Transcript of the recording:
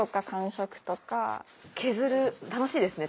削る楽しいですね